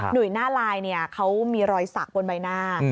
ุยหน้าลายเขามีรอยสักบนใบหน้า